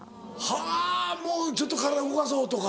はぁもうちょっと体動かそうとか。